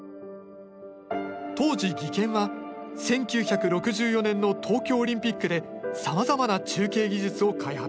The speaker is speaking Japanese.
当時技研は１９６４年の東京オリンピックでさまざまな中継技術を開発。